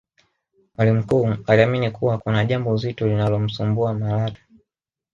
mwalimu mkuu aliamini kuwa kuna jambo zito linalomsumbua Malatwe